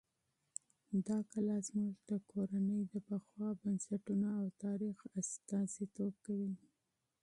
دا کلا زموږ د کورنۍ د پخو بنسټونو او تاریخ استازیتوب کوي.